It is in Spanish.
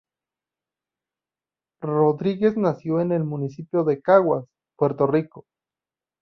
Rodríguez nació en el municipio de Caguas, Puerto Rico.